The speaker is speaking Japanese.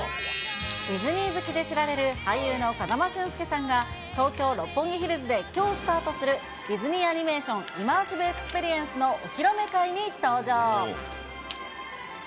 ディズニー好きで知られる俳優の風間俊介さんが、東京・六本木ヒルズできょうスタートする、ディズニー・アニメーション・イマーシブ・エクスペリエンスに登場。